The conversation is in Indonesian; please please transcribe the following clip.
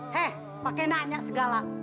hei sepakai nanya segala